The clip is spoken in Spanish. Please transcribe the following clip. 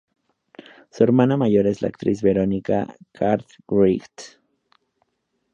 Su hermana mayor es la actriz Veronica Cartwright.